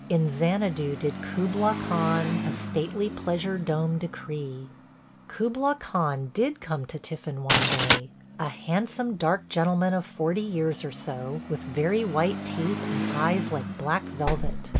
... "In Xanadu did Kubla Khan A stately pleasure dome decree –" Kubla Khan did come to tiffin one day – a handsome dark gentleman of forty years or so, with very white teeth and eyes like black velvet.